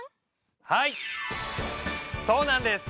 はいそうなんです。